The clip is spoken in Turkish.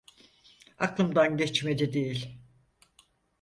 Aklımdan geçmedi değil.